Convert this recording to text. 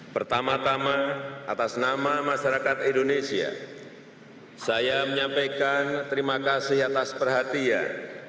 pertama tama atas nama masyarakat indonesia saya menyampaikan terima kasih atas perhatian